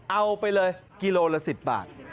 เอาไปเลยกิโลละ๑๐บาท